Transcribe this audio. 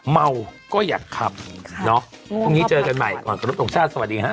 เมาก็อยากขับเนาะพรุ่งนี้เจอกันใหม่ก่อนขอรบตรงชาติสวัสดีฮะ